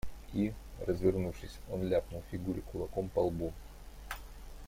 И, развернувшись, он ляпнул Фигуре кулаком по лбу.